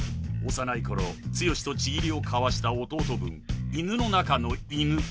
［幼いころ剛と契りを交わした弟分犬の中の犬難破松］